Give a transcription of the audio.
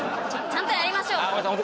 ちゃんとやりましょう